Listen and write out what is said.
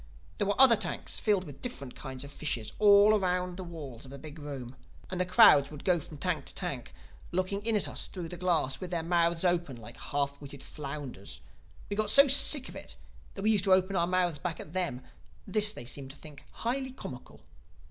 There were other tanks filled with different kinds of fishes all round the walls of the big room. And the crowds would go from tank to tank, looking in at us through the glass—with their mouths open, like half witted flounders. We got so sick of it that we used to open our mouths back at them; and this they seemed to think highly comical.